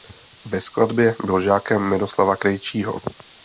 Ve skladbě byl žákem Miroslava Krejčího.